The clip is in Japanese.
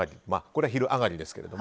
これは「昼上がり」ですけど。